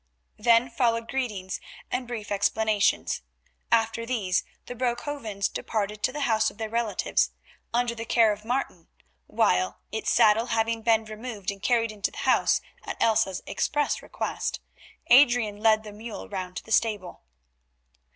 Then followed greetings and brief explanations. After these the Broekhovens departed to the house of their relatives, under the care of Martin, while, its saddle having been removed and carried into the house at Elsa's express request, Adrian led the mule round to the stable.